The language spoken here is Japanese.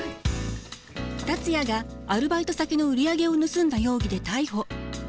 達也がアルバイト先の売り上げを盗んだ容疑で逮捕。